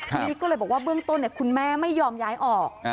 คุณมิกก็เลยบอกว่าเบื้องต้นเนี่ยคุณแม่ไม่ยอมย้ายออก